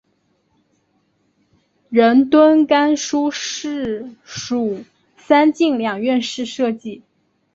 仁敦冈书室属三进两院式设计。